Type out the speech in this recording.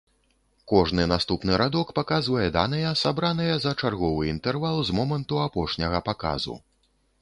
Кожны наступны радок паказвае даныя, сабраныя за чарговы інтэрвал з моманту апошняга паказу.